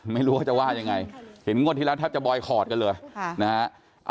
ไม่รู้ว่าจะว่าอย่างไรเห็นงวดทีละแทบที่จะบอยคอรดกันเลยนะฮะ